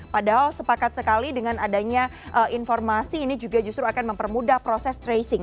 padahal sepakat sekali dengan adanya informasi ini juga justru akan mempermudah proses tracing